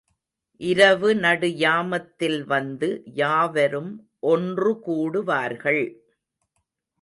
இரவு நடுயாமத்தில் வந்து யாவரும் ஒன்று கூடுவார்கள்.